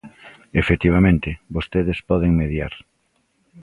Efectivamente, vostedes poden mediar.